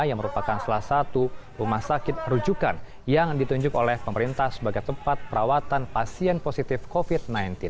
yang merupakan salah satu rumah sakit rujukan yang ditunjuk oleh pemerintah sebagai tempat perawatan pasien positif covid sembilan belas